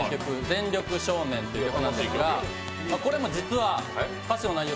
「全力少年」という曲なんですが、これも実は歌詞の内容